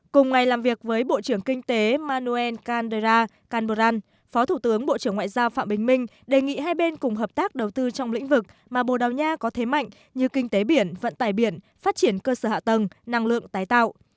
cùng ngày làm việc với bộ trưởng kinh tế manuel canderra canberran phó thủ tướng bộ trưởng ngoại giao phạm bình minh đề nghị hai bên cùng hợp tác đầu tư trong lĩnh vực mà bồ đào nha có thế mạnh như kinh tế biển vận tải biển phát triển cơ sở hạ tầng năng lượng tái tạo